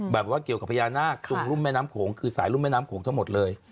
แบบว่าเกี่ยวกับพญานาคตรงรุ่มแม่น้ำโขงคือสายรุ่มแม่น้ำโขงทั้งหมดเลย